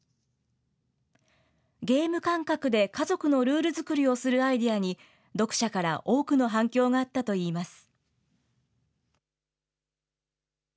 ゲーム感覚で家族のルール作りをするアイデアに、読者から多くの反響があったといいます。